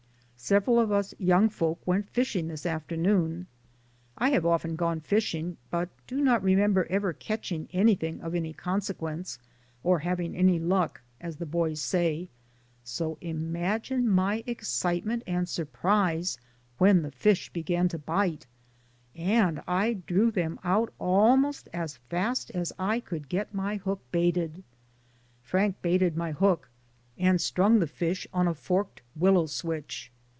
Several of us young folks went fishing this afternoon. I have often gone fishing but do not remember ever catching anything of any consequence, or having any luck, as the boys say, so im agine my excitement and surprise when the fish began to bite, and I drew them out al most as fast as I could get my hook baited. Frank baited my hook and strung the fish on a forked willow switch.